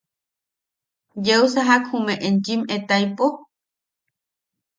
¿Yeu sajak jume enchim etaipo?